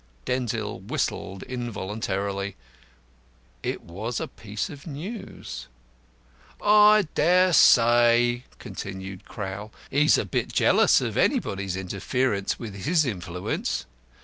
'" Denzil whistled involuntarily. It was a piece of news. "I dare say," continued Crowl, "he's a bit jealous of anybody's interference with his influence.